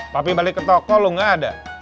papi balik ke toko lu gak ada